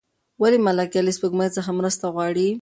ولې ملکیار له سپوږمۍ څخه مرسته غواړي؟